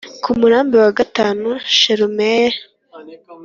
ku murambi wa gatanu shelumiyeli